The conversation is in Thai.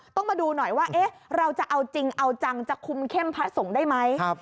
ต้องมาดูหน่อยว่าเราจะเอาจริงเอาจังจะคุมเข้มพระสงฆ์ได้ไหม